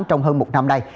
trong hơn một năm nay